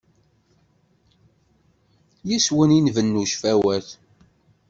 Yes-wen i nbennu cfawat.